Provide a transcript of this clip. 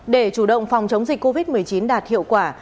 để chủ động phòng chống dịch covid một mươi chín đạt hiệu quả